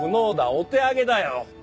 お手上げだよ！